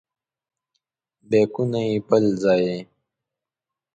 بیکونه یې بل ځای.